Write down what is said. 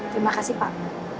terima kasih pak